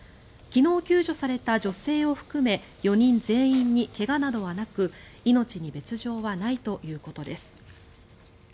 昨日救助された女性を含め４人全員に怪我などはなく命に別条はないということです。